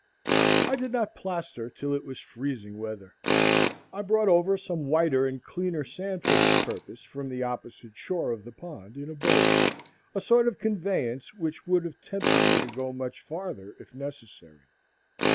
I did not plaster till it was freezing weather. I brought over some whiter and cleaner sand for this purpose from the opposite shore of the pond in a boat, a sort of conveyance which would have tempted me to go much farther if necessary.